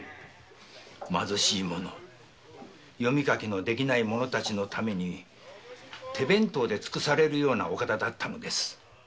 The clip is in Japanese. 貧しい者読み書きのできない者たちのために手弁当で尽くされるようなお方だったのです。